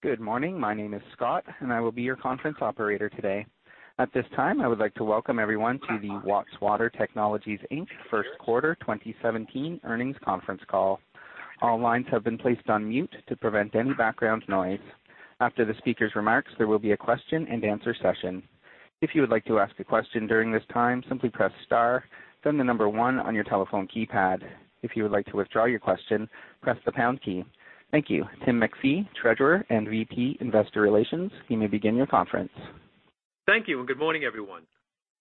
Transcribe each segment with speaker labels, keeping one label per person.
Speaker 1: Good morning. My name is Scott, and I will be your conference operator today. At this time, I would like to welcome everyone to the Watts Water Technologies, Inc. First Quarter 2017 Earnings Conference Call. All lines have been placed on mute to prevent any background noise. After the speaker's remarks, there will be a question-and-answer session. If you would like to ask a question during this time, simply press star, then the number 1 on your telephone keypad. If you would like to withdraw your question, press the pound key. Thank you. Tim MacPhee, Treasurer and VP Investor Relations, you may begin your conference.
Speaker 2: Thank you, and good morning, everyone.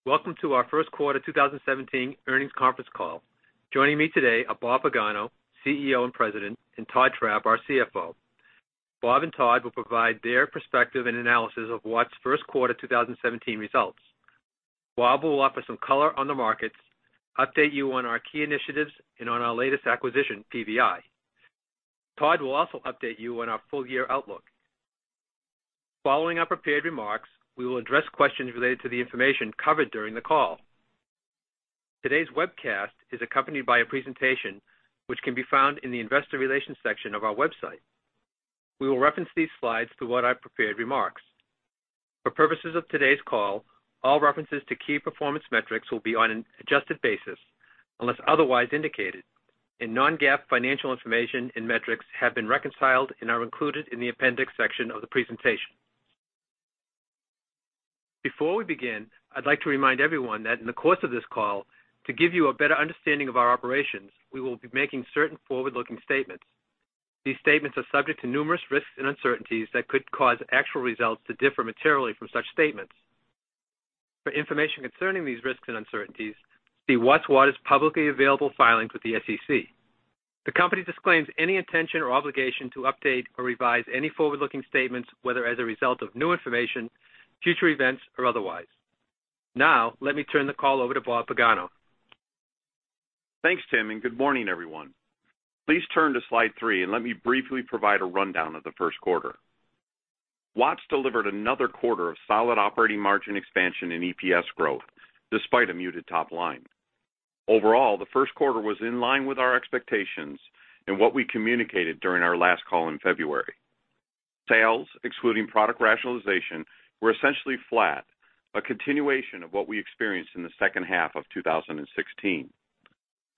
Speaker 2: Welcome to our first quarter 2017 earnings conference call. Joining me today are Bob Pagano, CEO and President, and Todd Trapp, our CFO. Bob and Todd will provide their perspective and analysis of Watts' first quarter 2017 results. Bob will offer some color on the markets, update you on our key initiatives, and on our latest acquisition, PVI. Todd will also update you on our full-year outlook. Following our prepared remarks, we will address questions related to the information covered during the call. Today's webcast is accompanied by a presentation which can be found in the investor relations section of our website. We will reference these slides throughout our prepared remarks. For purposes of today's call, all references to key performance metrics will be on an adjusted basis, unless otherwise indicated, and non-GAAP financial information and metrics have been reconciled and are included in the appendix section of the presentation. Before we begin, I'd like to remind everyone that in the course of this call, to give you a better understanding of our operations, we will be making certain forward-looking statements. These statements are subject to numerous risks and uncertainties that could cause actual results to differ materially from such statements. For information concerning these risks and uncertainties, see Watts Water's publicly available filings with the SEC. The company disclaims any intention or obligation to update or revise any forward-looking statements, whether as a result of new information, future events, or otherwise. Now, let me turn the call over to Bob Pagano.
Speaker 3: Thanks, Tim, and good morning, everyone. Please turn to slide three, and let me briefly provide a rundown of the first quarter. Watts delivered another quarter of solid operating margin expansion and EPS growth, despite a muted top line. Overall, the first quarter was in line with our expectations and what we communicated during our last call in February. Sales, excluding product rationalization, were essentially flat, a continuation of what we experienced in the second half of 2016.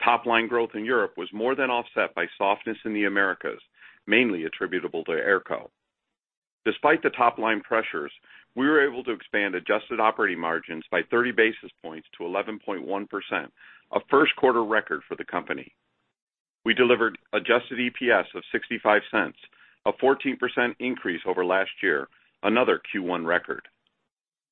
Speaker 3: Top-line growth in Europe was more than offset by softness in the Americas, mainly attributable to AERCO. Despite the top-line pressures, we were able to expand adjusted operating margins by 30 basis points to 11.1%, a first quarter record for the company. We delivered adjusted EPS of $0.65, a 14% increase over last year, another Q1 record.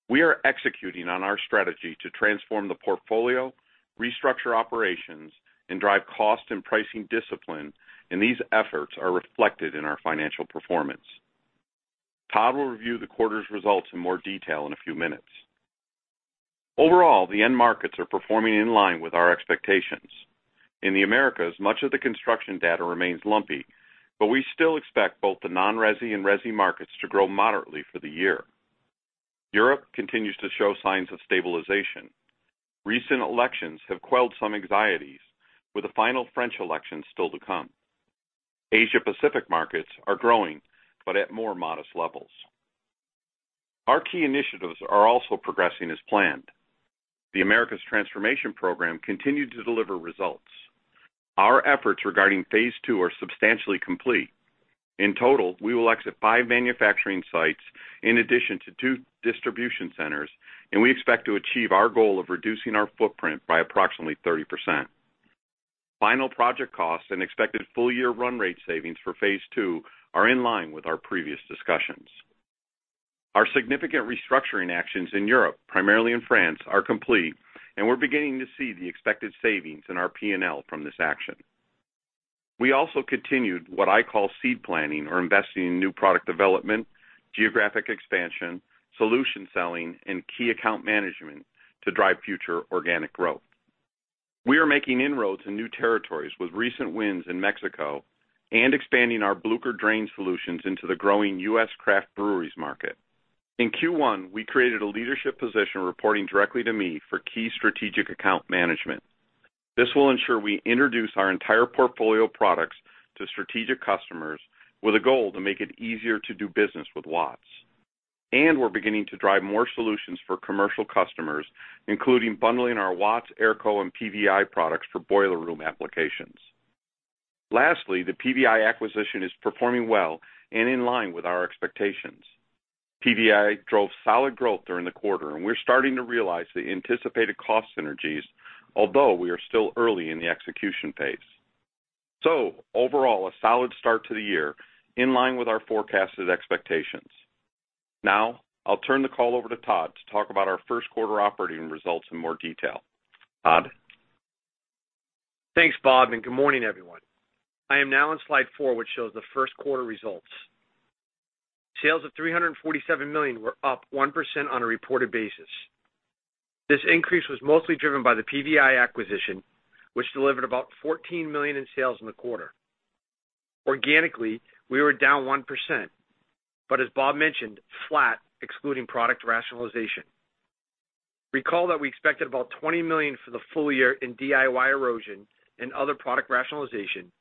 Speaker 3: We are executing on our strategy to transform the portfolio, restructure operations, and drive cost and pricing discipline, and these efforts are reflected in our financial performance. Todd will review the quarter's results in more detail in a few minutes. Overall, the end markets are performing in line with our expectations. In the Americas, much of the construction data remains lumpy, but we still expect both the non-resi and resi markets to grow moderately for the year. Europe continues to show signs of stabilization. Recent elections have quelled some anxieties, with the final French election still to come. Asia-Pacific markets are growing, but at more modest levels. Our key initiatives are also progressing as planned. The Americas transformation program continued to deliver results. Our efforts regarding phase II are substantially complete. In total, we will exit 5 manufacturing sites in addition to 2 distribution centers, and we expect to achieve our goal of reducing our footprint by approximately 30%. Final project costs and expected full-year run rate savings for phase II are in line with our previous discussions. Our significant restructuring actions in Europe, primarily in France, are complete, and we're beginning to see the expected savings in our P&L from this action. We also continued what I call seed planning, or investing in new product development, geographic expansion, solution selling, and key account management to drive future organic growth. We are making inroads in new territories with recent wins in Mexico and expanding our BLÜCHER drain solutions into the growing U.S. craft breweries market. In Q1, we created a leadership position reporting directly to me for key strategic account management. This will ensure we introduce our entire portfolio of products to strategic customers with a goal to make it easier to do business with Watts. We're beginning to drive more solutions for commercial customers, including bundling our Watts, AERCO, and PVI products for boiler room applications. Lastly, the PVI acquisition is performing well and in line with our expectations. PVI drove solid growth during the quarter, and we're starting to realize the anticipated cost synergies, although we are still early in the execution phase. Overall, a solid start to the year, in line with our forecasted expectations. Now, I'll turn the call over to Todd to talk about our first quarter operating results in more detail. Todd?
Speaker 4: Thanks, Bob, and good morning, everyone. I am now on slide four, which shows the first quarter results. Sales of $347 million were up 1% on a reported basis. This increase was mostly driven by the PVI acquisition, which delivered about $14 million in sales in the quarter. Organically, we were down 1%, but as Bob mentioned, flat, excluding product rationalization.... Recall that we expected about $20 million for the full year in DIY erosion and other product rationalization,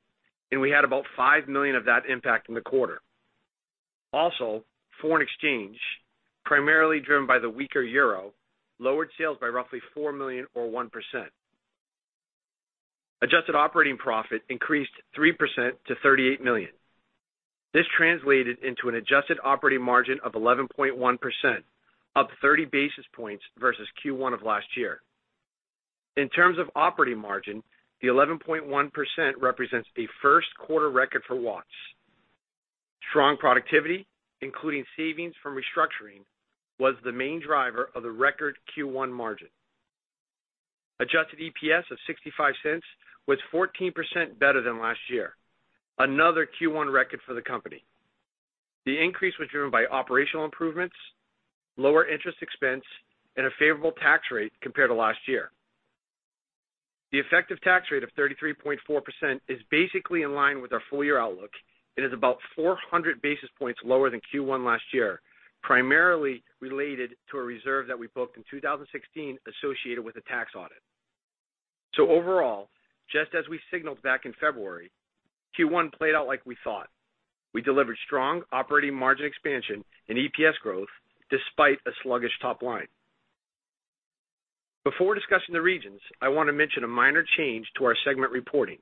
Speaker 4: and we had about $5 million of that impact in the quarter. Also, foreign exchange, primarily driven by the weaker euro, lowered sales by roughly $4 million, or 1%. Adjusted operating profit increased 3% to $38 million. This translated into an adjusted operating margin of 11.1%, up 30 basis points versus Q1 of last year. In terms of operating margin, the 11.1% represents a first quarter record for Watts. Strong productivity, including savings from restructuring, was the main driver of the record Q1 margin. Adjusted EPS of $0.65 was 14% better than last year, another Q1 record for the company. The increase was driven by operational improvements, lower interest expense, and a favorable tax rate compared to last year. The effective tax rate of 33.4% is basically in line with our full year outlook and is about 400 basis points lower than Q1 last year, primarily related to a reserve that we booked in 2016 associated with a tax audit. So overall, just as we signaled back in February, Q1 played out like we thought. We delivered strong operating margin expansion and EPS growth despite a sluggish top line. Before discussing the regions, I want to mention a minor change to our segment reporting.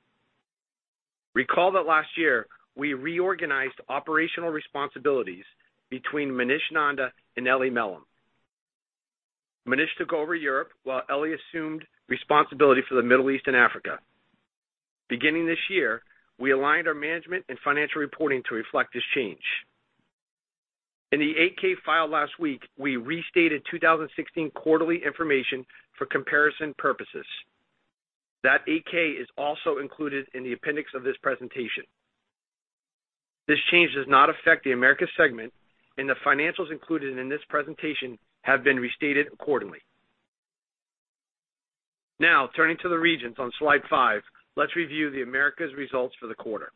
Speaker 4: Recall that last year, we reorganized operational responsibilities between Munish Nanda and Elie Melhem. Munish took over Europe, while Elie assumed responsibility for the Middle East and Africa. Beginning this year, we aligned our management and financial reporting to reflect this change. In the 8-K filed last week, we restated 2016 quarterly information for comparison purposes. That 8-K is also included in the appendix of this presentation. This change does not affect the Americas segment, and the financials included in this presentation have been restated accordingly. Now, turning to the regions on slide five, let's review the Americas results for the quarter.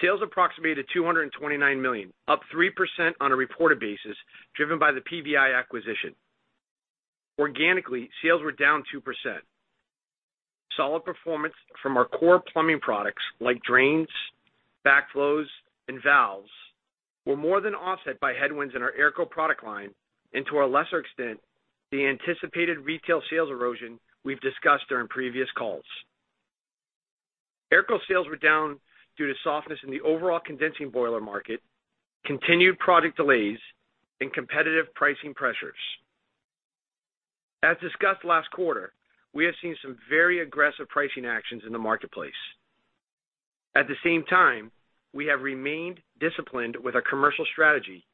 Speaker 4: Sales approximated $229 million, up 3% on a reported basis, driven by the PVI acquisition. Organically, sales were down 2%. Solid performance from our core plumbing products, like drains, backflows, and valves, were more than offset by headwinds in our AERCO product line and, to a lesser extent, the anticipated retail sales erosion we've discussed during previous calls. AERCO sales were down due to softness in the overall condensing boiler market, continued product delays, and competitive pricing pressures. As discussed last quarter, we have seen some very aggressive pricing actions in the marketplace. At the same time, we have remained disciplined with our commercial strategy,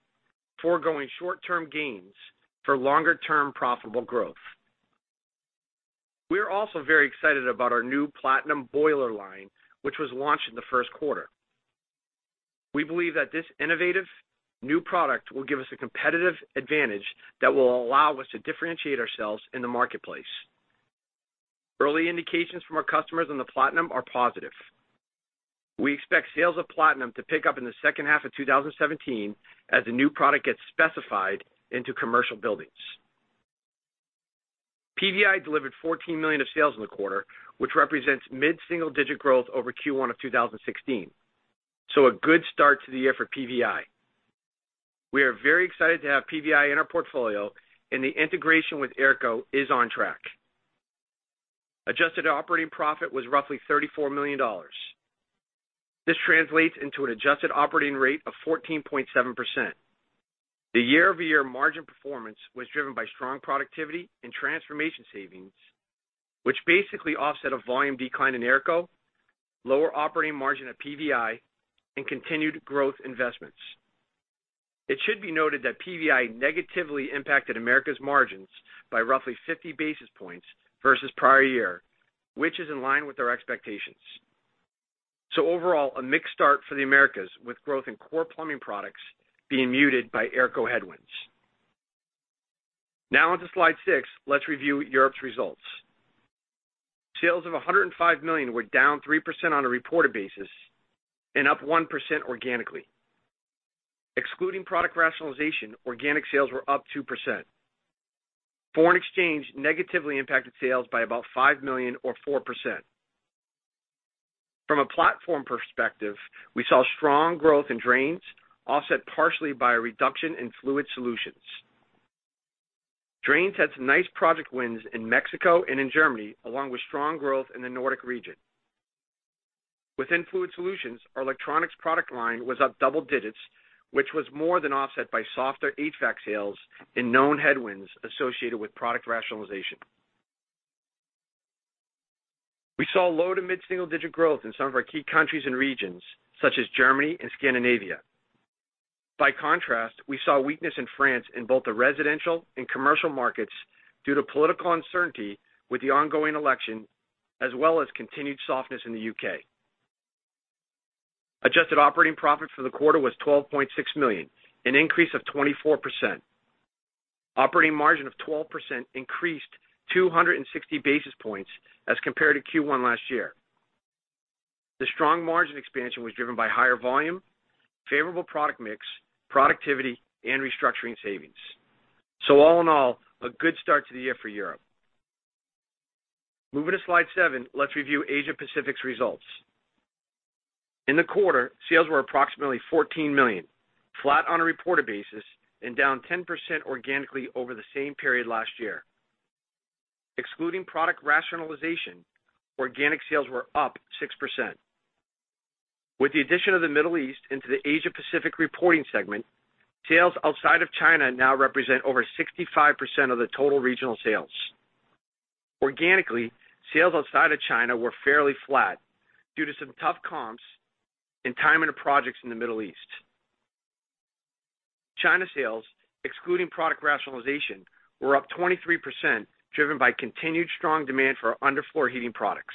Speaker 4: foregoing short-term gains for longer-term profitable growth. We are also very excited about our new Platinum boiler line, which was launched in the first quarter. We believe that this innovative new product will give us a competitive advantage that will allow us to differentiate ourselves in the marketplace. Early indications from our customers on the Platinum are positive. We expect sales of Platinum to pick up in the second half of 2017 as the new product gets specified into commercial buildings. PVI delivered $14 million of sales in the quarter, which represents mid-single-digit growth over Q1 of 2016. So a good start to the year for PVI. We are very excited to have PVI in our portfolio, and the integration with AERCO is on track. Adjusted operating profit was roughly $34 million. This translates into an adjusted operating rate of 14.7%. The year-over-year margin performance was driven by strong productivity and transformation savings, which basically offset a volume decline in AERCO, lower operating margin at PVI, and continued growth investments. It should be noted that PVI negatively impacted Americas' margins by roughly 50 basis points versus prior year, which is in line with our expectations. So overall, a mixed start for the Americas, with growth in core plumbing products being muted by AERCO headwinds. Now on to slide six. Let's review Europe's results. Sales of $105 million were down 3% on a reported basis and up 1% organically. Excluding product rationalization, organic sales were up 2%. Foreign exchange negatively impacted sales by about $5 million, or 4%. From a platform perspective, we saw strong growth in drains, offset partially by a reduction in fluid solutions. Drains had some nice project wins in Mexico and in Germany, along with strong growth in the Nordic region. Within fluid solutions, our electronics product line was up double digits, which was more than offset by softer HVAC sales and known headwinds associated with product rationalization. We saw low to mid-single-digit growth in some of our key countries and regions, such as Germany and Scandinavia. By contrast, we saw weakness in France in both the residential and commercial markets due to political uncertainty with the ongoing election, as well as continued softness in the UK. Adjusted operating profit for the quarter was $12.6 million, an increase of 24%. Operating margin of 12% increased 260 basis points as compared to Q1 last year. The strong margin expansion was driven by higher volume, favorable product mix, productivity, and restructuring savings. So all in all, a good start to the year for Europe. Moving to slide seven, let's review Asia Pacific's results. In the quarter, sales were approximately $14 million, flat on a reported basis, and down 10% organically over the same period last year. Excluding product rationalization, organic sales were up 6%. With the addition of the Middle East into the Asia Pacific reporting segment, sales outside of China now represent over 65% of the total regional sales. Organically, sales outside of China were fairly flat due to some tough comps and timing of projects in the Middle East. China sales, excluding product rationalization, were up 23%, driven by continued strong demand for our underfloor heating products.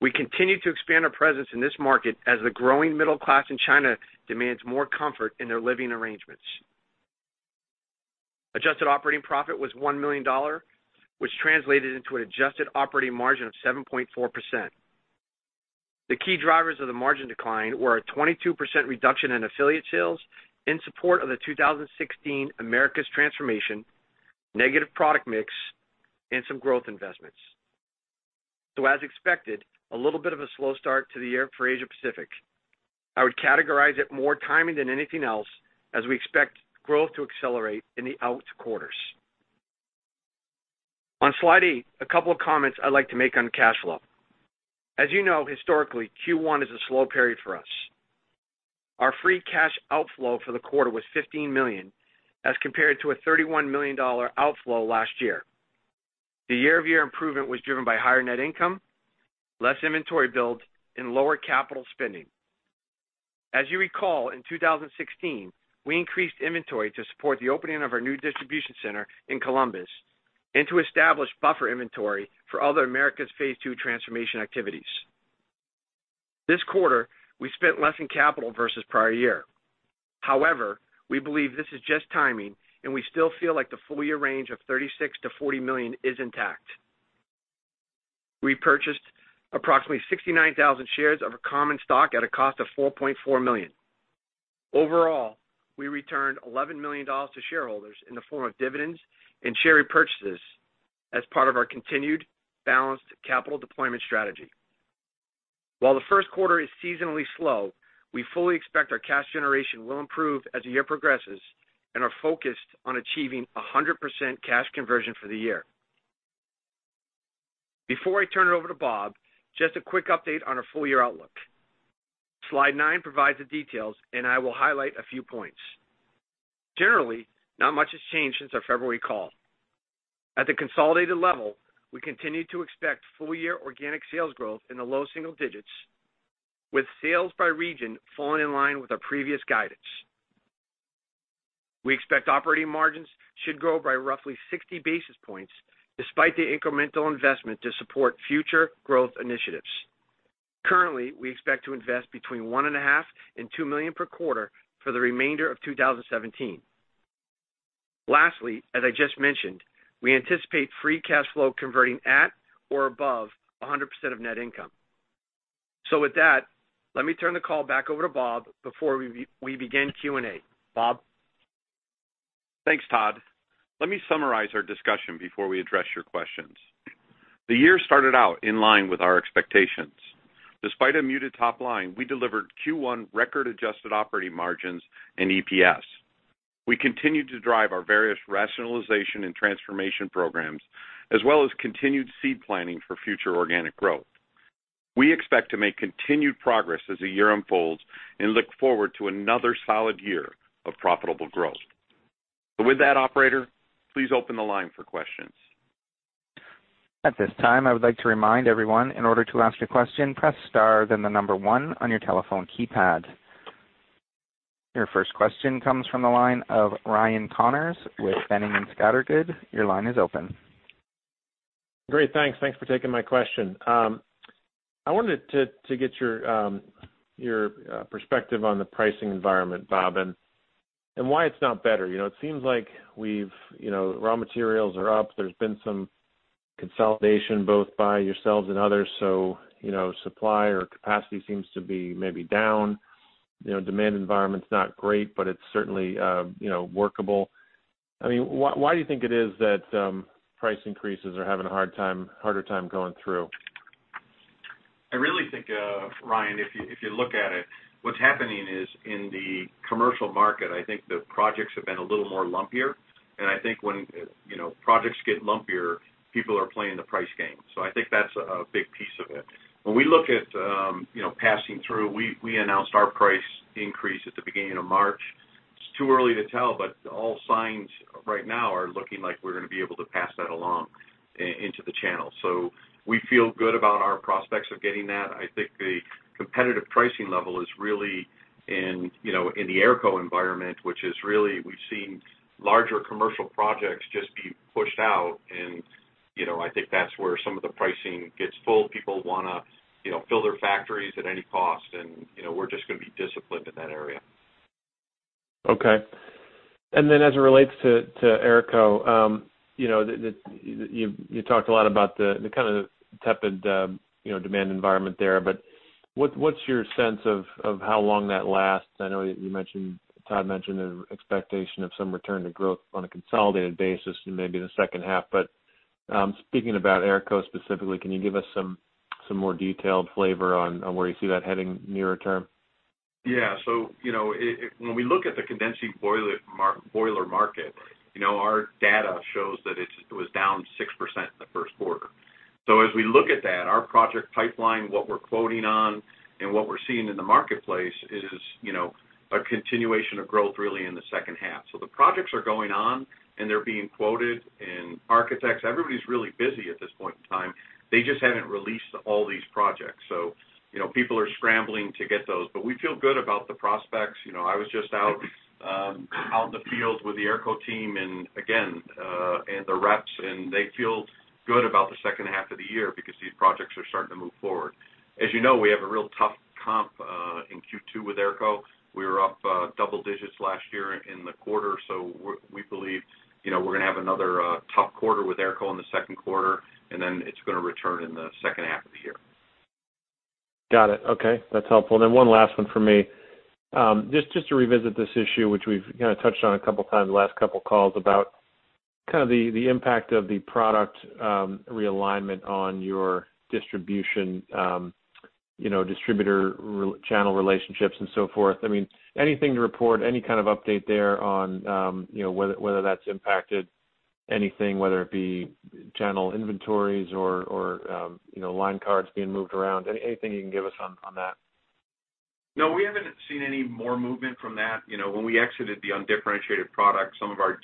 Speaker 4: We continue to expand our presence in this market as the growing middle class in China demands more comfort in their living arrangements. Adjusted operating profit was $1 million, which translated into an adjusted operating margin of 7.4%. The key drivers of the margin decline were a 22% reduction in affiliate sales in support of the 2016 Americas transformation, negative product mix, and some growth investments. So as expected, a little bit of a slow start to the year for Asia Pacific. I would categorize it more timing than anything else, as we expect growth to accelerate in the out quarters. On slide eight, a couple of comments I'd like to make on cash flow. As you know, historically, Q1 is a slow period for us. Our free cash outflow for the quarter was $15 million, as compared to a $31 million outflow last year. The year-over-year improvement was driven by higher net income, less inventory build, and lower capital spending. As you recall, in 2016, we increased inventory to support the opening of our new distribution center in Columbus, and to establish buffer inventory for other Americas Phase II transformation activities. This quarter, we spent less in capital versus prior year. However, we believe this is just timing, and we still feel like the full year range of $36 million-$40 million is intact. We purchased approximately 69,000 shares of our common stock at a cost of $4.4 million. Overall, we returned $11 million to shareholders in the form of dividends and share repurchases as part of our continued balanced capital deployment strategy. While the first quarter is seasonally slow, we fully expect our cash generation will improve as the year progresses and are focused on achieving 100% cash conversion for the year. Before I turn it over to Bob, just a quick update on our full year outlook. Slide nine provides the details, and I will highlight a few points. Generally, not much has changed since our February call. At the consolidated level, we continue to expect full-year organic sales growth in the low single digits, with sales by region falling in line with our previous guidance. We expect operating margins should grow by roughly 60 basis points, despite the incremental investment to support future growth initiatives. Currently, we expect to invest between $1.5 million-$2 million per quarter for the remainder of 2017. Lastly, as I just mentioned, we anticipate free cash flow converting at or above 100% of net income. So with that, let me turn the call back over to Bob before we, we begin Q&A. Bob?
Speaker 3: Thanks, Todd. Let me summarize our discussion before we address your questions. The year started out in line with our expectations. Despite a muted top line, we delivered Q1 record adjusted operating margins and EPS. We continued to drive our various rationalization and transformation programs, as well as continued seed planning for future organic growth. We expect to make continued progress as the year unfolds and look forward to another solid year of profitable growth. So with that, operator, please open the line for questions.
Speaker 1: At this time, I would like to remind everyone, in order to ask a question, press star, then the number one on your telephone keypad. Your first question comes from the line of Ryan Connors with Boenning & Scattergood. Your line is open. Great, thanks. Thanks for taking my question. I wanted to get your perspective on the pricing environment, Bob, and why it's not better. You know, it seems like we've, you know, raw materials are up. There's been some consolidation, both by yourselves and others. So, you know, supply or capacity seems to be maybe down. You know, demand environment's not great, but it's certainly, you know, workable. I mean, why do you think it is that price increases are having a hard time, harder time going through?
Speaker 3: I really think, Ryan, if you look at it, what's happening is in the commercial market, I think the projects have been a little more lumpier. And I think when, you know, projects get lumpier, people are playing the price game. So I think that's a big piece of it. When we look at, you know, passing through, we announced our price increase at the beginning of March. It's too early to tell, but all signs right now are looking like we're gonna be able to pass that along into the channel. So we feel good about our prospects of getting that. I think the competitive pricing level is really in, you know, in the AERCO environment, which is really, we've seen larger commercial projects just being pushed out. And, you know, I think that's where some of the pricing gets full. People wanna, you know, fill their factories at any cost, and, you know, we're just gonna be disciplined in that area....
Speaker 5: Okay. And then as it relates to AERCO, you know, you talked a lot about the kind of tepid, you know, demand environment there, but what's your sense of how long that lasts? I know you mentioned, Todd mentioned an expectation of some return to growth on a consolidated basis in maybe the second half. But, speaking about AERCO specifically, can you give us some more detailed flavor on where you see that heading nearer term?
Speaker 3: Yeah. So, you know, when we look at the condensing boiler market, you know, our data shows that it was down 6% in the first quarter. So as we look at that, our project pipeline, what we're quoting on and what we're seeing in the marketplace is, you know, a continuation of growth really in the second half. So the projects are going on, and they're being quoted, and architects, everybody's really busy at this point in time. They just haven't released all these projects. So, you know, people are scrambling to get those. But we feel good about the prospects. You know, I was just out in the field with the AERCO team, and again, and the reps, and they feel good about the second half of the year because these projects are starting to move forward. As you know, we have a real tough comp in Q2 with AERCO. We were up double digits last year in the quarter, so we believe, you know, we're gonna have another tough quarter with AERCO in the second quarter, and then it's gonna return in the second half of the year.
Speaker 5: Got it. Okay, that's helpful. Then one last one for me. Just to revisit this issue, which we've, you know, touched on a couple times in the last couple of calls about kind of the impact of the product realignment on your distribution, you know, distributor re-channel relationships and so forth. I mean, anything to report, any kind of update there on, you know, whether that's impacted anything, whether it be channel inventories or, you know, line cards being moved around? Anything you can give us on that?
Speaker 3: No, we haven't seen any more movement from that. You know, when we exited the undifferentiated product, some of our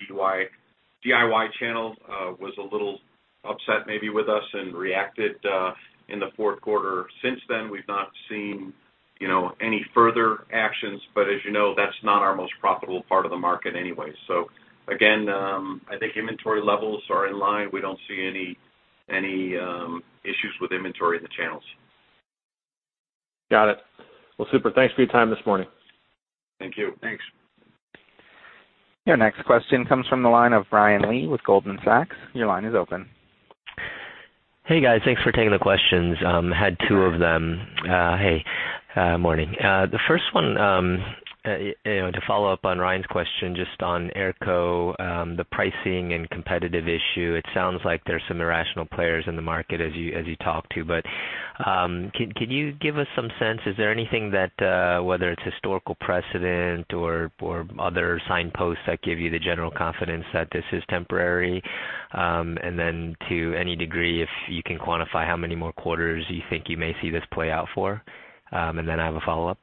Speaker 3: DIY channels was a little upset maybe with us and reacted in the fourth quarter. Since then, we've not seen, you know, any further actions, but as you know, that's not our most profitable part of the market anyway. So again, I think inventory levels are in line. We don't see any issues with inventory in the channels.
Speaker 5: Got it. Well, super. Thanks for your time this morning.
Speaker 3: Thank you.
Speaker 4: Thanks.
Speaker 1: Your next question comes from the line of Brian Lee with Goldman Sachs. Your line is open.
Speaker 6: Hey, guys. Thanks for taking the questions. Had two of them. Hey, morning. The first one, you know, to follow up on Ryan's question, just on AERCO, the pricing and competitive issue, it sounds like there's some irrational players in the market as you talk to. But, can you give us some sense, is there anything that whether it's historical precedent or other signposts that give you the general confidence that this is temporary? And then to any degree, if you can quantify how many more quarters you think you may see this play out for? And then I have a follow-up.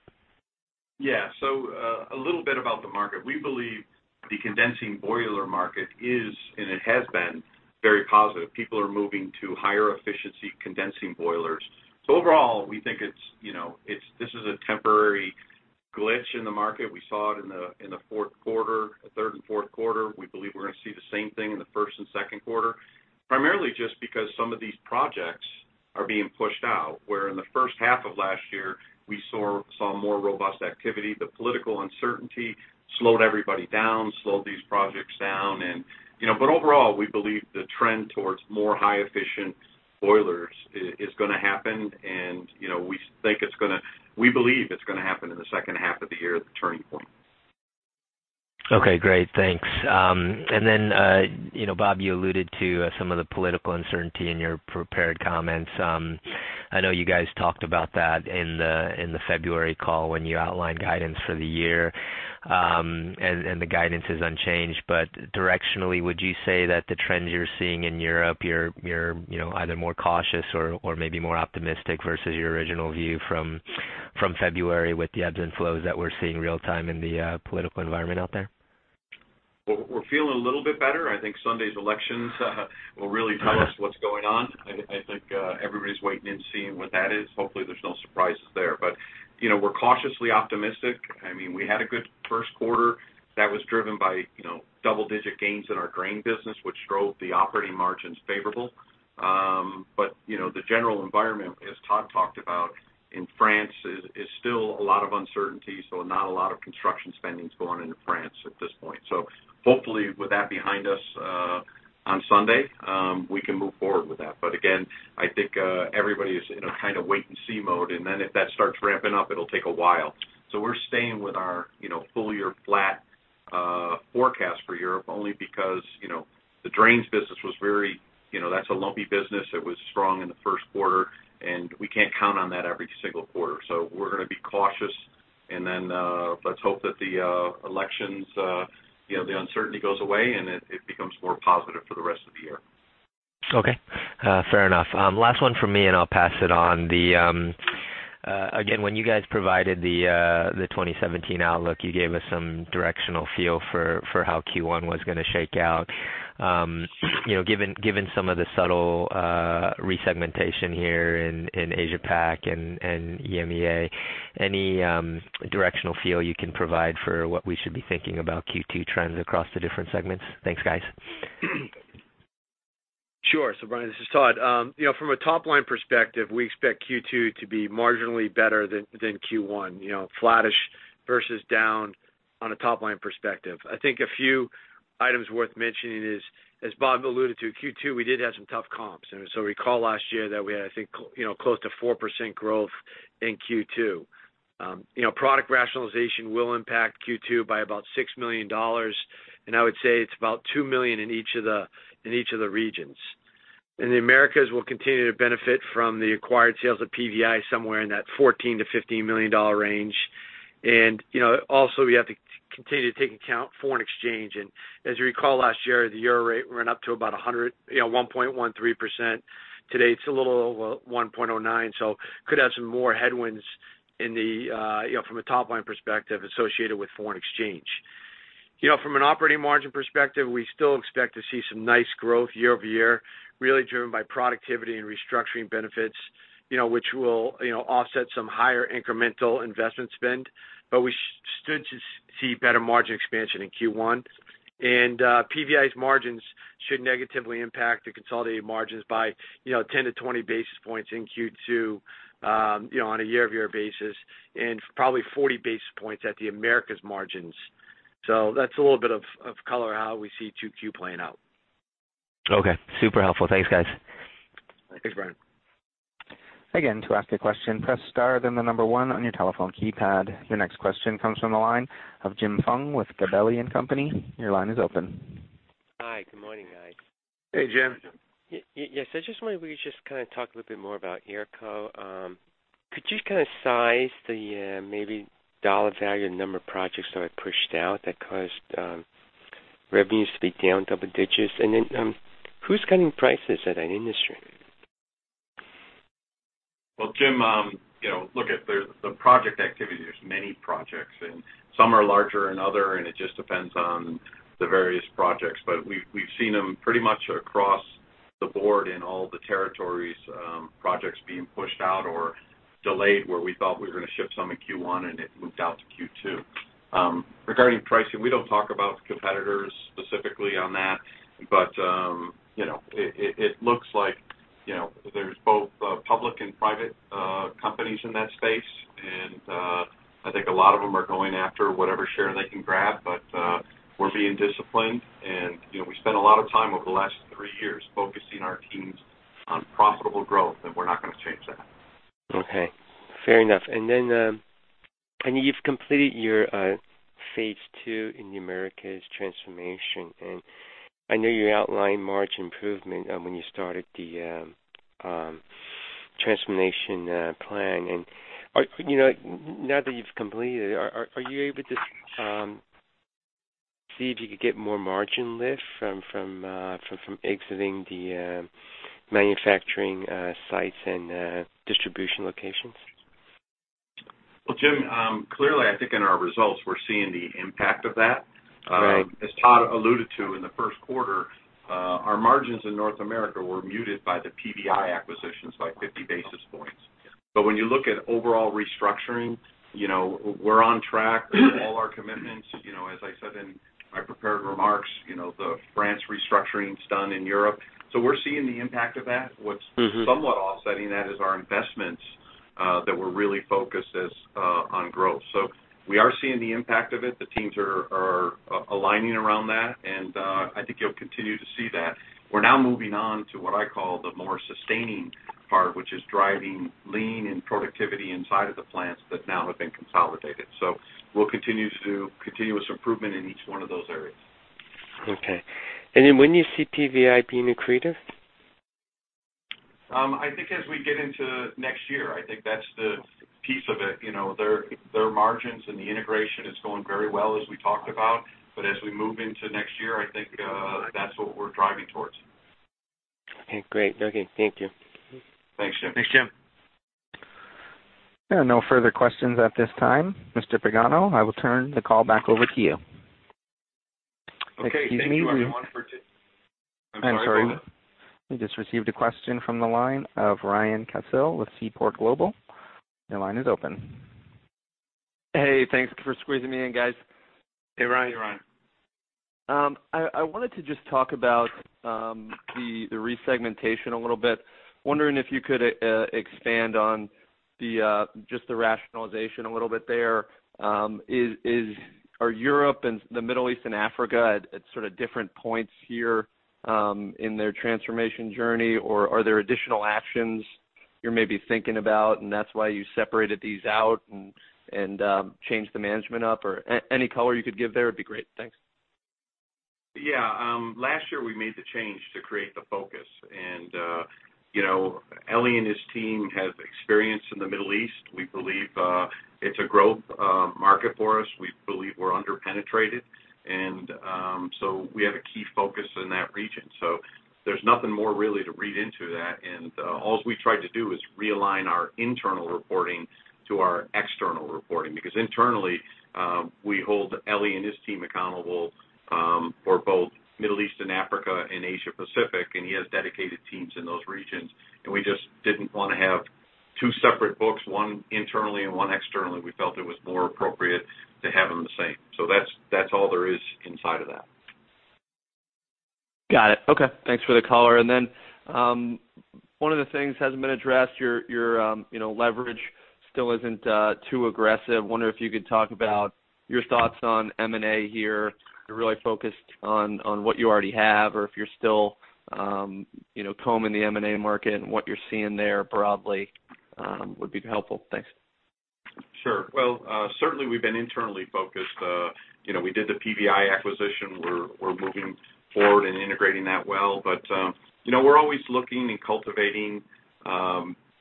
Speaker 3: Yeah. So, a little bit about the market. We believe the condensing boiler market is, and it has been, very positive. People are moving to higher efficiency condensing boilers. So overall, we think it's, you know, it's—this is a temporary glitch in the market. We saw it in the fourth quarter, the third and fourth quarter. We believe we're gonna see the same thing in the first and second quarter, primarily just because some of these projects are being pushed out, where in the first half of last year, we saw more robust activity. The political uncertainty slowed everybody down, slowed these projects down. And, you know, but overall, we believe the trend towards more high efficient boilers is gonna happen. And, you know, we think it's gonna—we believe it's gonna happen in the second half of the year at the turning point.
Speaker 6: Okay, great. Thanks. And then, you know, Bob, you alluded to some of the political uncertainty in your prepared comments. I know you guys talked about that in the February call when you outlined guidance for the year, and the guidance is unchanged. But directionally, would you say that the trends you're seeing in Europe, you know, either more cautious or maybe more optimistic versus your original view from February with the ebbs and flows that we're seeing real time in the political environment out there?
Speaker 3: We're feeling a little bit better. I think Sunday's elections will really tell us what's going on. I think everybody's waiting and seeing what that is. Hopefully, there's no surprises there. But, you know, we're cautiously optimistic. I mean, we had a good first quarter that was driven by, you know, double-digit gains in our drain business, which drove the operating margins favorable. But, you know, the general environment, as Todd talked about in France, is still a lot of uncertainty, so not a lot of construction spending is going into France at this point. So hopefully, with that behind us, on Sunday, we can move forward with that. But again, I think everybody is in a kind of wait and see mode, and then if that starts ramping up, it'll take a while. So we're staying with our, you know, full year flat forecast for Europe only because, you know, the drains business was very. You know, that's a lumpy business. It was strong in the first quarter, and we can't count on that every single quarter. So we're gonna be cautious, and then, let's hope that the elections, you know, the uncertainty goes away and it, it becomes more positive for the rest of the year.
Speaker 6: Okay, fair enough. Last one from me, and I'll pass it on. The, again, when you guys provided the 2017 outlook, you gave us some directional feel for how Q1 was gonna shake out. You know, given some of the subtle resegmentation here in Asia Pac and EMEA, any directional feel you can provide for what we should be thinking about Q2 trends across the different segments? Thanks, guys....
Speaker 4: Sure. So Brian, this is Todd. You know, from a top-line perspective, we expect Q2 to be marginally better than Q1, you know, flattish versus down on a top-line perspective. I think a few items worth mentioning is, as Bob alluded to, Q2, we did have some tough comps. And so recall last year that we had, I think, you know, close to 4% growth in Q2. You know, product rationalization will impact Q2 by about $6 million, and I would say it's about $2 million in each of the, in each of the regions. In the Americas, we'll continue to benefit from the acquired sales of PVI, somewhere in that $14 million-$15 million range. And, you know, also, we have to continue to take account foreign exchange. As you recall, last year, the euro rate went up to about 100, you know, 1.13%. Today, it's a little over 1.09, so could have some more headwinds in the you know, from a top-line perspective associated with foreign exchange. You know, from an operating margin perspective, we still expect to see some nice growth year-over-year, really driven by productivity and restructuring benefits, you know, which will, you know, offset some higher incremental investment spend. But we stood to see better margin expansion in Q1. And PVI's margins should negatively impact the consolidated margins by, you know, 10-20 basis points in Q2, you know, on a year-over-year basis, and probably 40 basis points at the Americas margins. So that's a little bit of color how we see Q2 playing out.
Speaker 6: Okay. Super helpful. Thanks, guys.
Speaker 4: Thanks, Brian.
Speaker 1: Again, to ask a question, press star, then the number one on your telephone keypad. Your next quoestion comes from the line of Jim Foung with Gabelli & Company. Your line is open.
Speaker 7: Hi, good morning, guys.
Speaker 3: Hey, Jim.
Speaker 7: Yes, I just wonder where you just kind of talk a little bit more about AERCO. Could you kind of size the, maybe dollar value and number of projects that were pushed out that caused revenues to be down double digits? And then, who's cutting prices at that industry?
Speaker 3: Well, Jim, you know, look, at the project activity, there's many projects, and some are larger than other, and it just depends on the various projects. But we've seen them pretty much across the board in all the territories, projects being pushed out or delayed, where we thought we were gonna ship some in Q1 and it moved out to Q2. Regarding pricing, we don't talk about competitors specifically on that, but, you know, it looks like, you know, there's both public and private companies in that space, and I think a lot of them are going after whatever share they can grab, but we're being disciplined. And, you know, we spent a lot of time over the last three years focusing our teams on profitable growth, and we're not gonna change that.
Speaker 7: Okay, fair enough. And then, I know you've completed your phase II in the Americas transformation, and I know you outlined margin improvement when you started the transformation plan. You know, now that you've completed it, are you able to see if you could get more margin lift from exiting the manufacturing sites and distribution locations?
Speaker 3: Well, Jim, clearly, I think in our results, we're seeing the impact of that.
Speaker 7: Right.
Speaker 3: As Todd alluded to in the first quarter, our margins in North America were muted by the PVI acquisition by 50 basis points. But when you look at overall restructuring, you know, we're on track with all our commitments. You know, as I said in my prepared remarks, you know, the France restructuring is done in Europe, so we're seeing the impact of that.
Speaker 7: Mm-hmm.
Speaker 3: What's somewhat offsetting that is our investments that we're really focused on growth. So we are seeing the impact of it. The teams are aligning around that, and I think you'll continue to see that. We're now moving on to what I call the more sustaining part, which is driving lean and productivity inside of the plants that now have been consolidated. So we'll continue to do continuous improvement in each one of those areas.
Speaker 7: Okay. And then when you see PVI being accretive?
Speaker 3: I think as we get into next year, I think that's the piece of it. You know, their, their margins and the integration is going very well, as we talked about, but as we move into next year, I think, that's what we're driving towards.
Speaker 7: Okay, great. Okay, thank you.
Speaker 3: Thanks, Jim.
Speaker 4: Thanks, Jim.
Speaker 1: There are no further questions at this time. Mr. Pagano, I will turn the call back over to you.
Speaker 3: Okay.
Speaker 1: Excuse me, we-
Speaker 3: Thank you, everyone, for ta-
Speaker 1: I'm sorry. We just received a question from the line of Ryan Cassil with Seaport Global. Your line is open.
Speaker 8: Hey, thanks for squeezing me in, guys.
Speaker 3: Hey, Ryan.
Speaker 4: Hey, Ryan.
Speaker 8: I wanted to just talk about the resegmentation a little bit. Wondering if you could expand on the just the rationalization a little bit there. Are Europe and the Middle East and Africa at sort of different points here in their transformation journey, or are there additional actions you're maybe thinking about, and that's why you separated these out and changed the management up? Or any color you could give there would be great. Thanks.
Speaker 3: Yeah, last year, we made the change to create the focus. And, you know, Elie and his team have experience in the Middle East. We believe, it's a growth, market for us. We believe we're under-penetrated, and, so we have a key focus in that region. So there's nothing more really to read into that. And, all we've tried to do is realign our internal reporting to our external reporting, because internally, we hold Elie and his team accountable, for both Middle East and Africa and Asia-Pacific, and he has dedicated teams in those regions. And we just didn't wanna have two separate books, one internally and one externally. We felt it was more appropriate to have them the same. So that's, that's all there is inside of that.
Speaker 8: Got it. Okay, thanks for the color. And then, one of the things hasn't been addressed, your leverage still isn't too aggressive. Wonder if you could talk about your thoughts on M&A here. You're really focused on what you already have, or if you're still, you know, combing the M&A market and what you're seeing there broadly, would be helpful. Thanks.
Speaker 3: Sure. Well, certainly we've been internally focused. You know, we did the PVI acquisition. We're, we're moving forward and integrating that well. But, you know, we're always looking and cultivating,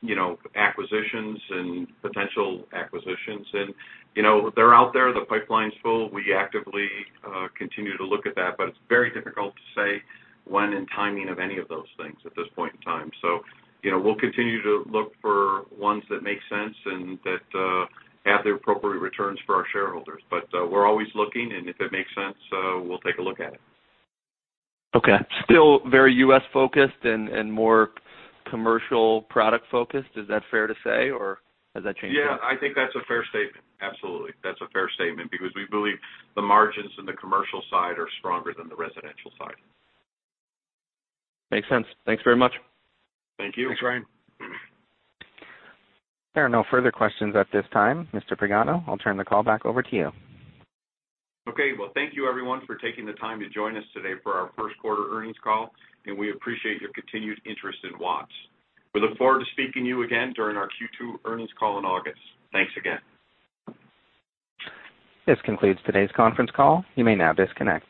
Speaker 3: you know, acquisitions and potential acquisitions. And, you know, they're out there, the pipeline's full. We actively continue to look at that, but it's very difficult to say when and timing of any of those things at this point in time. So, you know, we'll continue to look for ones that make sense and that, have the appropriate returns for our shareholders. But, we're always looking, and if it makes sense, we'll take a look at it.
Speaker 8: Okay. Still very U.S.-focused and, and more commercial product-focused? Is that fair to say, or has that changed?
Speaker 3: Yeah, I think that's a fair statement. Absolutely. That's a fair statement because we believe the margins in the commercial side are stronger than the residential side.
Speaker 8: Makes sense. Thanks very much.
Speaker 3: Thank you.
Speaker 4: Thanks, Ryan.
Speaker 1: There are no further questions at this time. Mr. Pagano, I'll turn the call back over to you.
Speaker 3: Okay. Well, thank you, everyone, for taking the time to join us today for our first quarter earnings call, and we appreciate your continued interest in Watts. We look forward to speaking to you again during our Q2 earnings call in August. Thanks again.
Speaker 1: This concludes today's conference call. You may now disconnect.